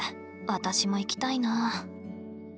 私も行きたいな。